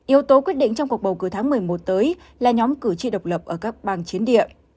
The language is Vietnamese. yếu tố quyết định trong cuộc bầu cử tháng một mươi một tới là nhóm cử tri độc lập ở các bang chiến địa